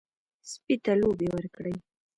سپي ته لوبې ورکړئ.